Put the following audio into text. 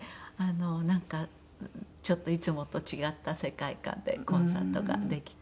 なんかちょっといつもと違った世界観でコンサートができて。